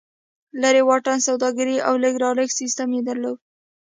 لرې واټن سوداګري او لېږد رالېږد سیستم یې درلود.